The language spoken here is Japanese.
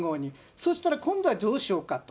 そしたら今度はどうしようかと。